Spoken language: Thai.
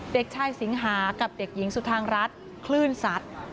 เด็กชายสิงหากับเด็กหญิงสุธางรัฐคลื่นสัตว์